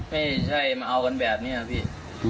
ไม่ใช่มาเอากันแบบนี้พี่